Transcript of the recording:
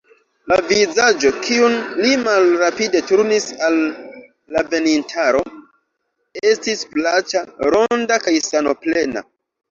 La vizaĝo, kiun li malrapide turnis al la venintaro, estis plaĉa, ronda kaj sanoplena.